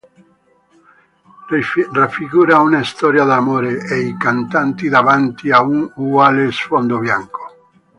Raffigura una storia d'amore e i cantanti davanti a un uguale sfondo bianco.